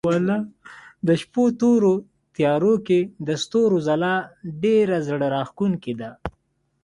د شپو تورو تيارو کې د ستورو ځلا ډېره زړه راښکونکې ده.